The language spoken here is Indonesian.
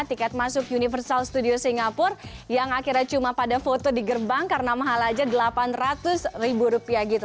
tiket masuk universal studio singapura yang akhirnya cuma pada foto di gerbang karena mahal aja delapan ratus ribu rupiah gitu